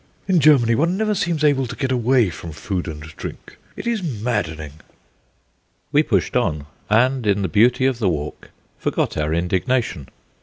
In Germany one never seems able to get away from food and drink. It is maddening!" We pushed on, and in the beauty of the walk forgot our indignation.